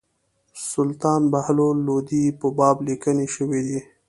سلطان بهلول لودي په باب لیکني شوي دي.